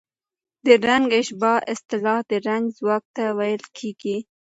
د رنګ اشباع اصطلاح د رنګ ځواک ته ویل کېږي.